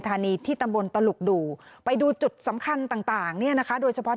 ที่ตำบลตลุกดูไปดูจุดสำคัญต่างเนี่ยนะคะโดยเฉพาะ